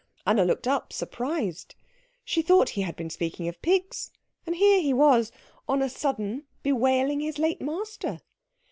Anna looked up, surprised. She thought he had been speaking of pigs, and here he was on a sudden bewailing his late master.